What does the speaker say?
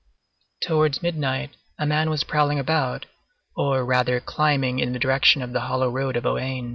Towards midnight, a man was prowling about, or rather, climbing in the direction of the hollow road of Ohain.